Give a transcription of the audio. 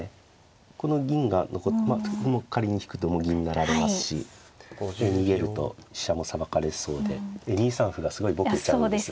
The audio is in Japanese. この銀がまあ仮に引くともう銀成られますし逃げると飛車もさばかれそうで２三歩がすごいぼけちゃうんです。